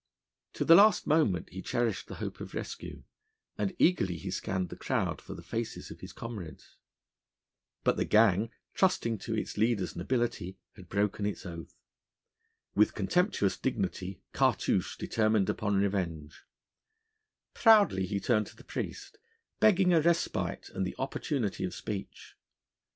To the last moment he cherished the hope of rescue, and eagerly he scanned the crowd for the faces of his comrades. But the gang, trusting to its leader's nobility, had broken its oath. With contemptuous dignity Cartouche determined upon revenge: proudly he turned to the priest, begging a respite and the opportunity of speech.